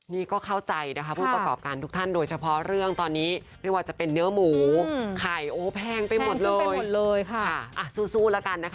นี่ก็เข้าใจนะครับผู้ประกอบการณ์ทุกท่าน